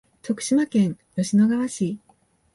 徳島県吉野川市